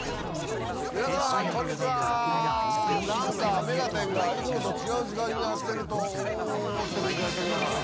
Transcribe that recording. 何か『目がテン！』がいつもと違う時間にやってると思ってるんじゃないですか皆さん。